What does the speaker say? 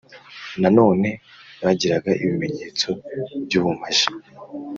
nanone bagiraga ibimenyetso by’ubumaji